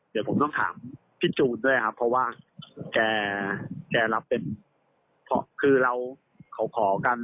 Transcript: เดี๋ยวผมต้องถามพี่จูนด้วยครับเพราะว่าแกรับเป็นคือเราเขาขอกัน